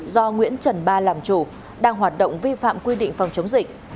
do nguyễn trần ba làm chủ đang hoạt động vi phạm quy định phòng chống dịch